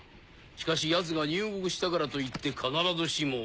しかし奴が入国したからといって必ずしも。